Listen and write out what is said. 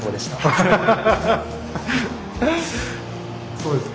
そうですか。